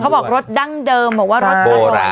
เขาบอกรสดั้งเดิมบอกว่ารสโบราณ